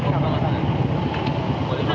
kepala tangerang selatan